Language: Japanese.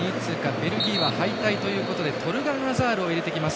ベルギーは敗退ということでトルガン・アザールを入れてきます。